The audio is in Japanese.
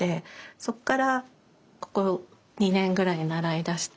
そこからここ２年ぐらい習いだして。